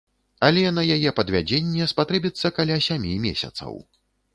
Але на яе падвядзенне спатрэбіцца каля сямі месяцаў.